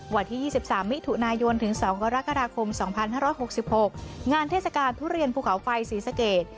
วันที่๒๓มิถุนายนถึง๒กรกฎาคม๒๕๖๖งานเทศกาลทุเรียนภูเขาไฟศรีสเกต